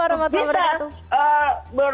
assalamualaikum warahmatullahi wabarakatuh